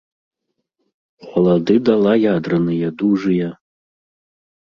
Халады дала ядраныя, дужыя.